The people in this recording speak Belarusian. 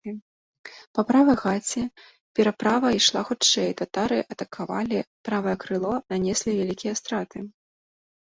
Па правай гаці пераправа ішла хутчэй, татары атакавалі правае крыло, нанеслі вялікія страты.